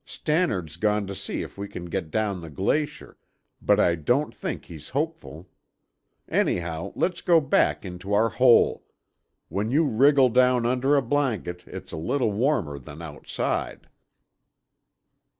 Stannard's gone to see if we can get down the glacier, but I don't think he's hopeful. Anyhow, let's go back into our hole. When you wriggle down under a blanket, it's a little warmer than outside."